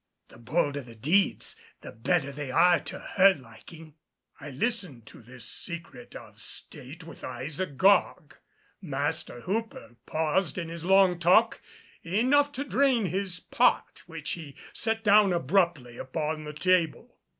The bolder the deeds the better they are to her liking." I listened to this secret of state with eyes agog. Master Hooper paused in his talk long enough to drain his pot, which he set down abruptly upon the table.